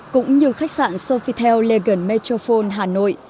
cũng như khách sạn sofitel legan metropole hà nội